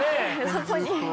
そこに。